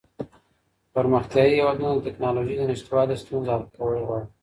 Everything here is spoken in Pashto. پرمختيايي هېوادونه د ټکنالوژۍ د نشتوالي ستونزه حل کول غواړي.